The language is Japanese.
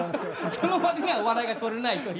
その割には笑いがとれないという。